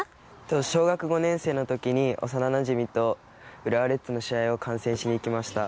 小学５年生生のときに幼なじみと浦和レッズの試合を観戦しに行きました。